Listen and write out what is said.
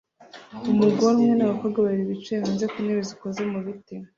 Umugore umwe nabakobwa babiri bicaye hanze ku ntebe zikoze mu biti